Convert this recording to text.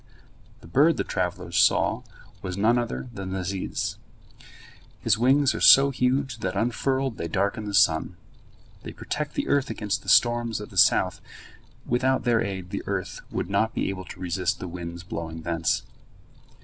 The bird the travellers saw was none other than the ziz. His wings are so huge that unfurled they darken the sun. They protect the earth against the storms of the south; without their aid the earth would not be able to resist the winds blowing thence.